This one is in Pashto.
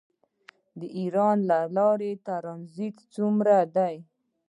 د ایران له لارې ټرانزیټ څومره دی؟